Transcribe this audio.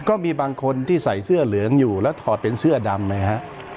ก็มีบางคนที่ใส่เสื้อเหลืองอยู่แล้วถอดเป็นเสื้อดำไหมฮะ